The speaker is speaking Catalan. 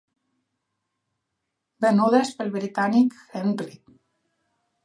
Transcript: Venudes pel britànic Henry.